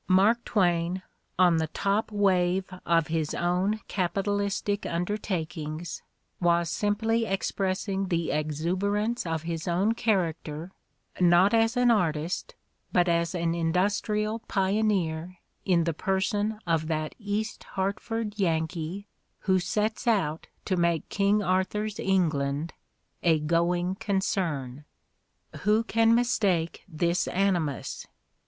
Mark Twain, on the top wave of his own capital istic undertakings, was simply expressing the exuber ance of his own character not as an artist but as an industrial pioneer in the person of that East Hartford Yankee who sets out to make King Arthur's England a "going concern." Who can mistake this animus?